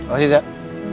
apa sih cak